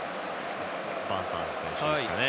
バンサン選手ですかね。